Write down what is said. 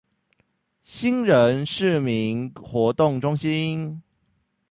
興仁市民活動中心